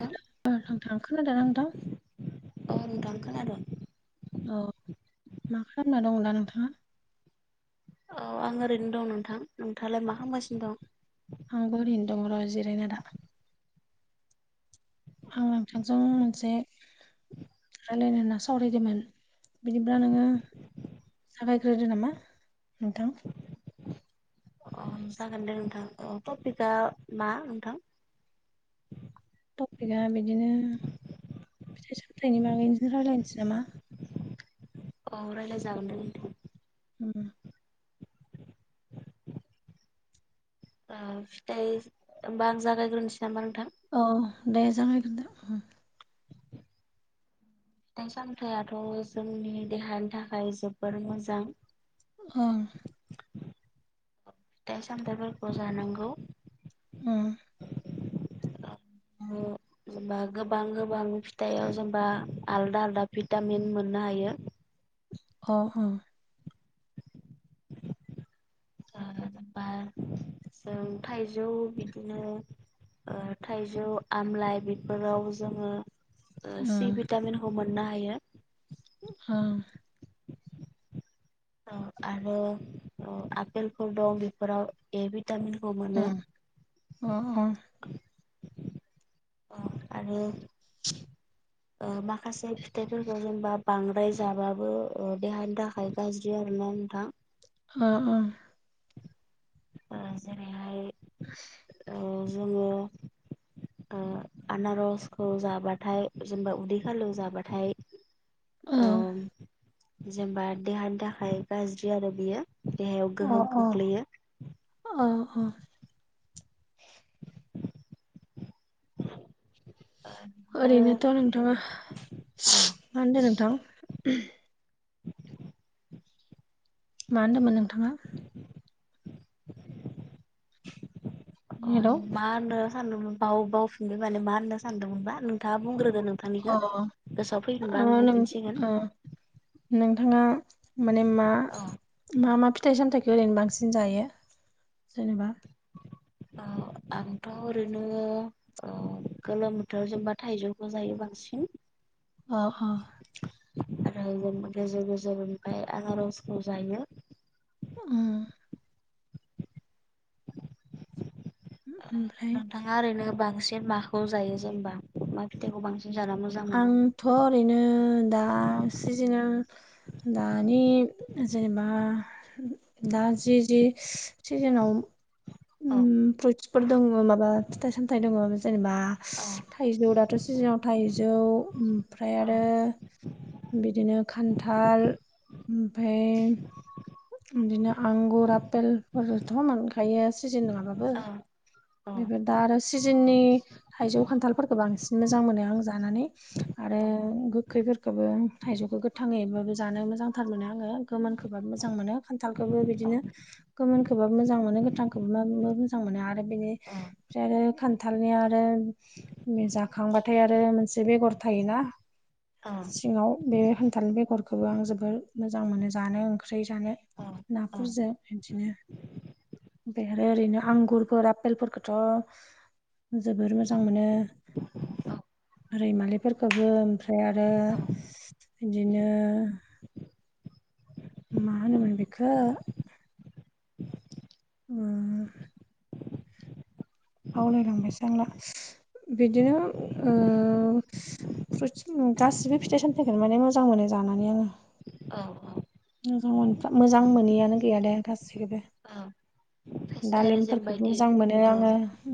औ अ नोंथां खोनादों। औ मा खालामना दं दा नोंथाङा? औ आं ओरैनो दं नोंथां। नोंथाङालाय मा खालामगासिनो दं? आंबो ओरिनो दं र' जिरायना दा। आं नोंथांजों मोनसे रायलायनो होनना सावरायदोंमोन बिनिब्ला नोङो जागायग्रोदो नामा नोंथां। अ जागोन दे नोंथां अ टपिकआ मा नोंथां? टपिकआ बिदिनो फिथाइ सामथाइनि बागैनो रायलायनोसै नामा? अ रायलाय जागोन दे नोंथां। उम। ओ फिथाइ होमबा आं जागायग्रोनोसै नामा नोंथां? अ दे जागायग्रोदो उम। फिथाइ सामथाइथ' जोंनि देहानि थाखाय जोबोर मोजां। ओम। फिथाइ सामथाइफोरखौ जानांगौ। ओं ओम। जेनबा गोबां गोबां फिथाइयाव जेनबा आलदा आलदा भिटामिन मोननो हायो। ह हो। ओ बा जों थाइजौ बिदिनो ओ थाइजौ, आमलाइ बेफोराव जोङो ओ सि भिटामिनखौ मोननो हायो। होम। अ आरो अ आपेलफोर दं बेफोराव ए भिटामिनखौ मोनो। उम उम। उम आरो ओ माखासे फिथाइफोरखौ जेनेबा बांद्राय जाबाबो ओ देहानि थाखाय गाज्रि आरोना नोंथां। ओ ओ। ओ जेरैहाय ओ जोङो ओ आनारसखौ जाबाथाय जेनेबा उदै खालियाव जाबाथाय अ ओम ओ जेनबा देहानि थाखाय गाज्रि आरो बियो। देहायाव गोहोम ओ औ खोख्लैयो। अ अ। ओ बिदिनो ओरैनोथ' नोंथाङा औ मा होनदों नोंथां? मा होनदोमोन नोंथाङा? अ हेलौ मा होननो सानदोंमोन बाव बाव फिनबाय माने मा होननो सानदोंमोनबा नों दा बुंग्रोदो अ नोंथांनिखो गोसोआव ओ फैफिनबा आं नों बुंफिनसिगोन। ओ नोंथाङा माने मा औ मा मा फिथाइ सामथाइखो ओरैनो बांसिन जायो जेनेबा? ओ आंथ' ओरैनो अ गोलोम बोथोर जेनबा थाइजौखौ जायो बांसिन। अ ह आरो जेनबा गेजेर गेजेर ओमफ्राय आनारसखौ जायो। उम। उम ओमफ्राय थाङा ओरैनो बांसिन माखौ जायो जेनेबा मा फिथाइखौ बांसिन जाना मोजां मोनो आंथ' ओरैनो दा सिजिनेल दानि जेनेबा दा जि जि सिजेनाव औ ओम फ्रुइटसफोर दङो माबा फिथाइ सामथाइ दङो जेनेबा आ थाइजौ दाथ' सिजोनाव थाइजौ ओमफ्राय औ आरो बिदिनो खान्थाल ओमफाय ओमदिनो आंगुर आपेलफोरथ' मोनखायो सिजेन नङाबाबो। औ बिबो दा आरो सिजोननि थाइजौ खान्थालफोरखौ बांसिन मोजां मोनो आं जानानै। आरो औ गोखैफोरखोबो थाइजौखौ गोथाङैबाबो जानो मोजांथार मोनो आङो। गोमोनखौबा मोजां मोनो खान्थालखौबो औ बिदिनो गोमोन खौबाबो मोजां मोनो गोथांखौब्लाबो मोजां मोनो आरो बिनि ओमफाय आरो खान थालनिया आरो जाखांबाथाय आरो मोनसे बेगर थायोना औ सिङाव बे होनथाल बेगर खौबो आं जोबोर मोजां मोनो जानो ओंख्रि जानो नाफोरजों बिदिनो बे ओरैनो हांगुरफोरा आपेलफोरखौथ' जोबोर मोजां मोनो। रैमालिफोरखौबो ओमफ्राय आरो बिदिनो मा होनोमोन बिखौ उम बावलायलांबायसो आंला बिदिनो ओ फ्रुइदस उम गासिबो फिथाइ सामथाइखौनो माने मोजां मोनो जानानै आङो। औ औ। मोजां मोनफा मोजां मोनैयानो गैया दे गासिखौबो। औ खायसे आरो जेनबायदि मोजां मोनो औ आङो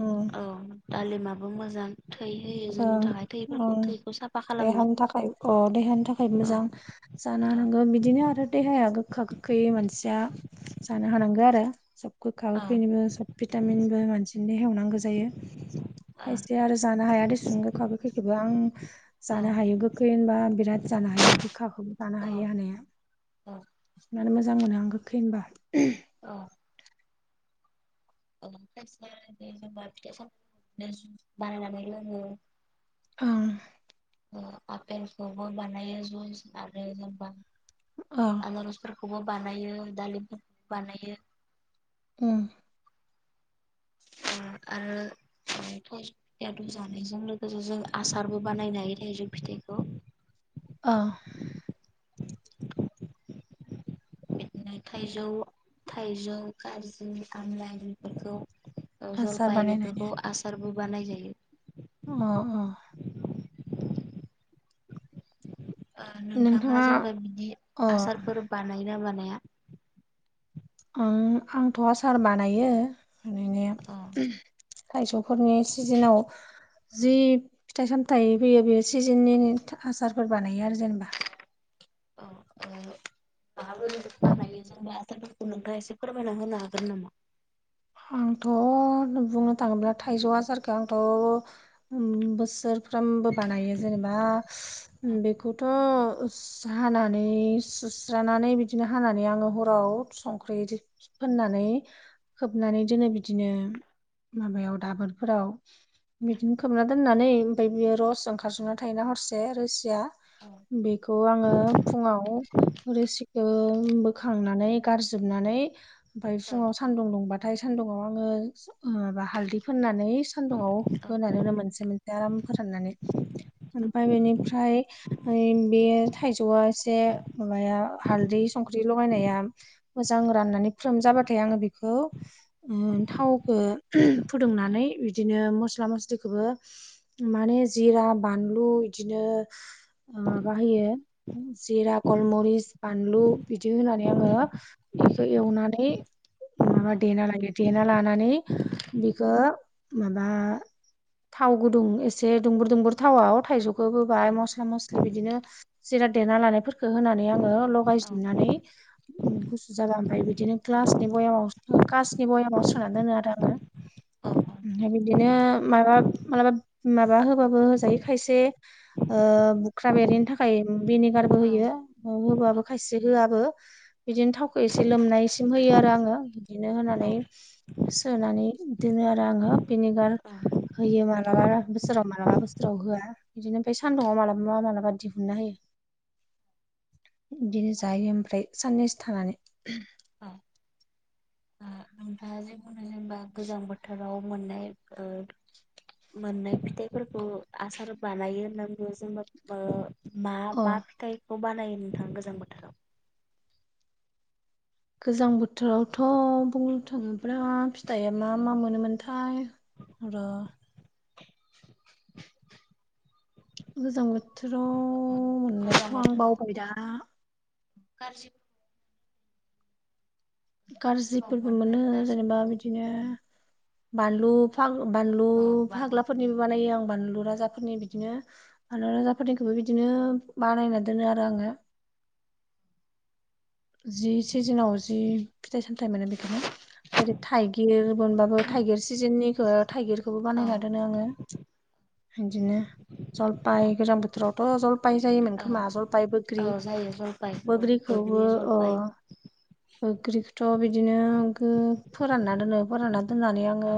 ओं औ दालिमाबो मोजां। थै होयो जोंनि औ थाखाय औ। थैफोरखौ थैखौ साफा खालामो देहानि थाखाय अ देहानि थाखाय औ मोजां जानो औ नांगौ बिदिनो आरो देहाया गोग गोखा गोखै मानसिया जानो हानांगौ आरो सब गोखा औ गोखैनिबो सब भिटामिनबो मानसिनो देहायाव नांगौ जायो औ खायसे आरो जानो हाया दै सुं गोखा गोखैखौबो आं जानो हायो गोखै होनबा बिराद जानो हायो गोखाखौबो जानो औ हायो हानाया। औ मानो मोजां मोनो आं गोखै होनबा। औ [unintelligible] ओं। औ आपेलखौबो बानायो जुइस आरो जेनबा अ आनारसफोरखौबो बानायो दालिमफोर बानायो। उम। [unintelligible] आरो [unintelligible] जानायजों लोगोसे जों आसारबो बानायनो हायो थाइजौ फिथाइखौ। ओ। [unintelligible] थाइजौ थाइजौ खारजि आमलाइ बेफोरखौ औ आसार जलफाय बानायनायनि बेफोरखौ आसारबो बानाय जायो। ओ ओ। ओ नोंथाङा जेनोबा बिनि अ आसारफोर बानायोना बानाया? ओं आंथ' आसार बानायो [unintelligible] उम। थाइजौफोरनि सिजेनाव जि फिथाइ सामथायाइ फैयो बे सिजेननिनि थाख आसारफोर बानायो आरो जेनोबा। [unintelligible] औ ओ माबोरै [unintelligible] जेनब्ला आसारफोरखौ नोंथाङा एसे फोरमायना होनो हागोन नामा? आंथ' बुंनो थाङोब्ला थाइजौ आसारखौ आंथ' उम बोसोर फ्रामबो बानायो जेनोबा उम बेखौथ' [unintelligible] हानानै सुस्रानानै बिदिनो हानानै आङो हराव संख्रि इदि फोनानै खोबनानै जोङो बिदिनो माबायाव दाबोरफोराव बिदिनो खोमना दोननानै बायदि रस ओंखारजोबना थायो ना हरसे रोसिया? [unintelligible] बेखौ आङो फुङाव रोसिखौ बोखांनानै गारजोबनानै ओमफ्राय फुङाव सान्दुं दुंबाथाय सान्दुंआव आङो माबा हालदै फोननानै सान्दुंआव होना दोनो मोनसे मोनसे आराम फोराननानै। ओमफ्राय बेनिफ्राय है बे थाइजौआ एसे माबाया हालदै संख्रि लगायनाया मोजां राननानै फ्रोम जाबाथाय आङो बेखौ ओ थावखौ फुदुंनानै बिदिनो मस्ला मस्लिखौबो माने जिरा बानलु बिदिनो माबा होयो जिरा गलमरिस बानलु बिदि होनानै आङो बेखौ एवनानै माबा देना लायो। देना लानानै बिखौ माबा थाव गुदुं एसे दुंबुर दुंबुर थावआव थायजौ- खौ होबाय मस्ला-मस्लि बिदिनो जिरा देना लानायफोरखो होनानै आङो ल- गायजोबनानै गुसु जाबा ओमफ्राय बिदिनो ग्लासनि भयामाव कास- बयामाव सोना दोनो आरो आङो। ओमफ्राय बिदिनो माबा मालाबा माबा होबाबो होजायो खायसे ओ बुख्रा बेरैनि थाखाय भिनेगारबो होयो होबाबो खायसे होआबो। बिदिनो थावखौ एसे लोमनायसिम होयो आरो आङो बिदिनो होनानै ओमफ्राय सोनानै दोनो आरो आङो भेनिगार औ होयो मालाबा बोसोराव मालाबा बोसोराव होआ। बिदिनो ओमफ्राय सान्दुुंआव मालाबा मालाबा दिहुनना होयो। बिदिनो जायो ओमफ्राय साननैसो थानानै। ओ ओ नोंथाङा जे बुदों जेनबा गोजां बोथो- राव मोननाय ओ मोननाय फिथाइफोरखौ आसार बानायो होनना बुङो जेनबा ओ मा अ मा फिथाइखौ बानायो नोंथां गोजां बोथोराव? गोजां बोथोरावथ' बुंनो थाङोब्ला फिथाइया मा मा मोनोमोन थाय। थाय र' गोजां बोथोराव मोननायखौथ' आं बावबाय दा। कारजि- कारजिफोरबो मोनो मोननाय जेनेबा गाज्रिफोरखौ बिदिनो बानलु फा बानलु औ बानायो फाग्लाफोरनिबो बानायो आं बानलु राजाफोरनि बिदिनो। बानलु राजाफोरनिखौबो बिदिनो बानायना दोनो आरो आङो। जि सिजोनाव जि फिथाइ-सामथाइ मोनो बिखौनो। जेरै थाइगिर मोनबाबो थाइगिर सिजोननिखौ थाइगिरखौबो औ बानायना दोनो आङो। बिदिनो औ जलपाइ गोजां बोथोराव। अ' जलपाय जायोमोन औ खोमा जलपाय बैग्रि औ बैग्रिखौबो बाय बैग्रिखौथ' बिदिनो गो फोरानना दोनो फोरानना दोननानै औ आङो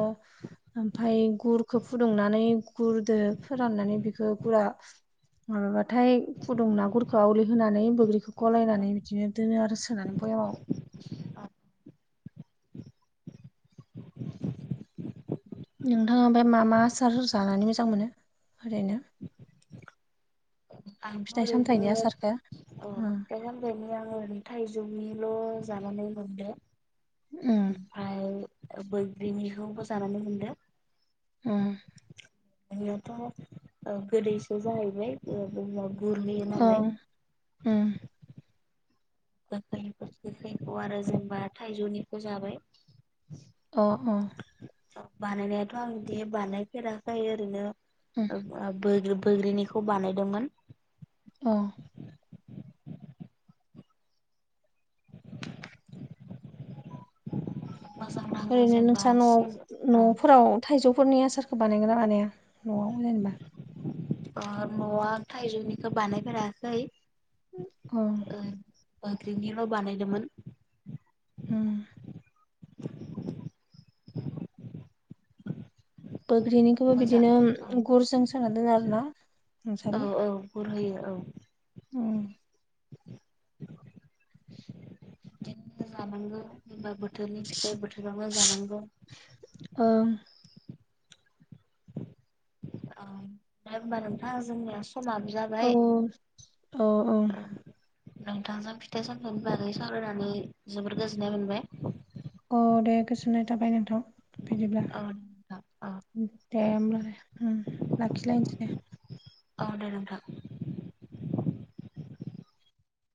ओमफाय गुरखौ फुदुंनानै गुरदो फोराननानै बेखौ गुरा माबाबाथाय फुदुंना गुरखो आवलि होनानै बैग्रिखौ गलायनानै बिदिनो दोनो आरो सोनानै बयामाव। आ नोंथाङा ओमफ्राय मा मा आसार जानानै मोजां मोनो? ओरैनो आंथ' फिथाइ ओरैनो सामथाइनि औ आसारखो? उम फिथाइ-साम- ओंखायनो आङो थाइजौनिल' जानानै मोनदो। उम ओमफ्राय बैग्रिनिखौबो जानानै मोनदों। उम बेयोथ' ओ गोदैसो जाहैबाय बैग्रियाबो गुरहोयो नालाय। ओं उम [unintelligible] गोखैखौ आरो जेनबा थाइजौनिखौ जाबाय। अ अ। बानायनायाथ' आं बिदि बानायफेराखै ओरैनो उम बोग्रि बोगग्रिनिखौ बानायदोंमोन अ। मोजां नाङो ओरैनो जेनेबा नोंसा न'आव न'फोराव थाइजौफोरनि आसारखौ बानायगोन ना बानाया न'आव जेनेबा? ओ न'आ थाइजौनिखौ बानायफेराखै। अ ओ बैग्रिनिल' बानायदोंमोन। उम। बोग्रिनिखौबो मोजां बिदिनो औ गुरजों सोना दोनो आरो ना। औ औ गुर होयो। उम औ। बिदिनो जानांगौ जेनेबा बोथोरनि फिथाइ बोथोरावनो जानांगौ। ओं औ दे होनबा नोंथां जोंनिया समा बिराद औ बाय औ औ उम, नोंथांजों फिथाइ सामथाइनि बागै सावरायनानै जोबोर गोजोननाय मोनबाय। अ दे गोजोननाय थाबाय नोंथां बिदिब्ला। औ नोंथां दे होमबब्ला दे लाखिलायनोसै दे। आ दे नोंथां।